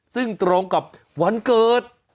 ซึ่งตรงกับวันเกิด